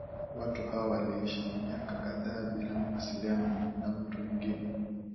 Watu hao waliishi miaka kadhaa bila mawasiliano na watu wengine